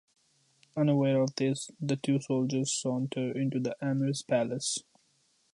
Unaware of this, the two soldiers saunter into the Emir's palace.